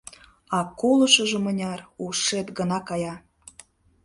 А колышыжо мыняр, ушет гына кая!